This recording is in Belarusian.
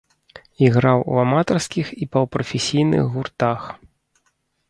Іграў у аматарскіх і паўпрафесійных гуртах.